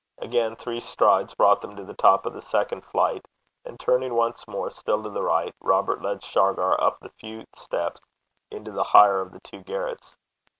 Again three strides brought them to the top of the second flight; and turning once more, still to the right, Robert led Shargar up the few steps into the higher of the two garrets.